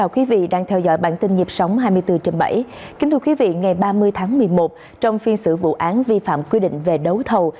kính chào quý vị ngày ba mươi tháng một mươi một trong phiên xử vụ án vi phạm quy định về đấu thầu